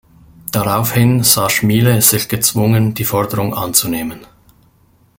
Daraufhin sah Schmiele sich gezwungen, die Forderung anzunehmen.